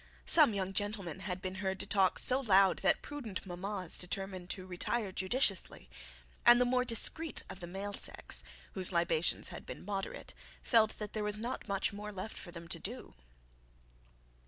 Some young gentlemen had been heard to talk so loud that prudent mammas determined to retire judiciously, and the more discreet of the male sex, whose libation had been moderate, felt that there was not much more left for them to do.